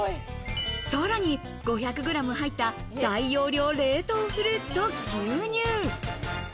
さらに５００グラム入った、大容量冷凍フルーツと牛乳。